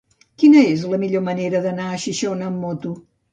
Quina és la millor manera d'anar a Xixona amb moto?